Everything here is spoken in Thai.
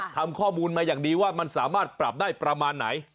ทำข้อมูลมาอย่างดีว่ามันสามารถปรับได้ประมาณไหน